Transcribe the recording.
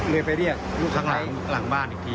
เลยไปเรียกลูกกันไปทางหลังบ้านอีกที